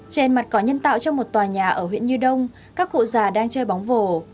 trên mặt cỏ nhân tạo trong một tòa nhà ở huyện như đông các cụ già đang chơi bóng vổ